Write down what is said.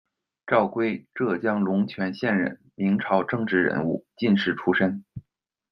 赵圭，浙江龙泉县人，明朝政治人物、进士出身。